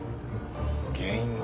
原因は？